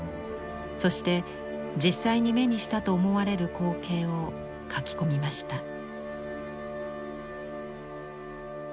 そして実際に目にしたと思われる光景を描き込みました。